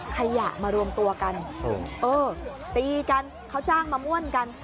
ขยะมารวมตัวกันเออตีกันเขาจ้างมาม่วนกัน